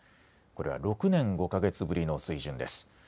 これは６年５か月ぶりの水準です。